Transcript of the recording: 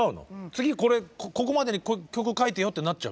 次これここまでに曲を書いてよってなっちゃう？